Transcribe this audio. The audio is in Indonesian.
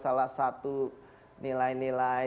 salah satu nilai nilai